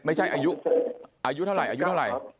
ไม่ใช่อายุอายุเท่าไหร่อายุเท่าไหร่